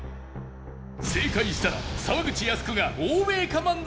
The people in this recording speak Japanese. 正解したら沢口靖子が欧米かっ！